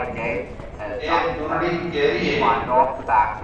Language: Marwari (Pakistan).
اَي چونڙِي ڪَيري هيَ؟